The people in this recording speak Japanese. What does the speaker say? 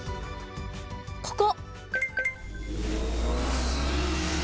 ここ。